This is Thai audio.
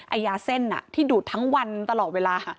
ยาเส้นที่ดูดทั้งวันตลอดเวลา